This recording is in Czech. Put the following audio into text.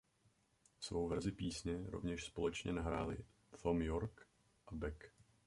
Svou verzi písně rovněž společně nahráli Thom Yorke a Beck.